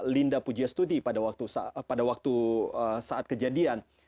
linda pujastudi pada waktu saat kejadian